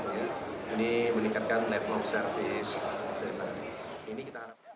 ini meningkatkan level of service